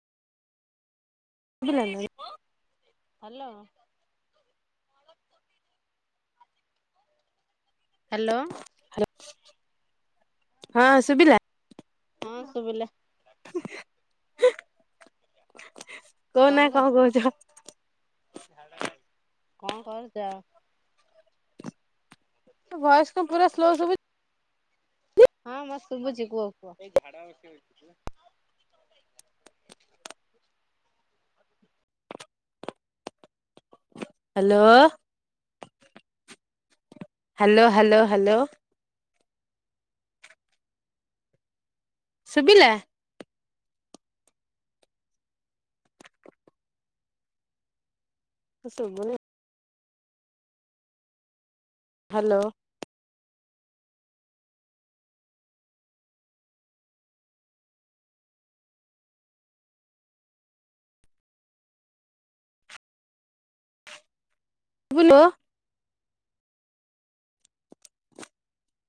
[unintelligible] Hello. Hello. Hello ହଁ ଶୁଭିଲା। ହଁ ଶୁବିଲା। କହୁନା କଣ କର୍ଛ କହୁଛ? କଣ କରୁଚ। ତମ ଭଏସ୍ ପୁରା ସ୍ଲୋ ଶୁବୁ ହଁ ମୋତେ ଶୁବୁଚି କୁହ କୁଅ। ହାଲୋ। ହାଲୋ ହାଲୋ ହାଲୋଶ ଶୁବିଲା। ଶୁବୁନି। ହାଲୋ। [unintelligible]